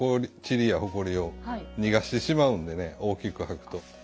ちりやほこりを逃がしてしまうんでね大きく掃くと。